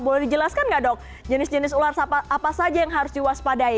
boleh dijelaskan nggak dok jenis jenis ular apa saja yang harus diwaspadai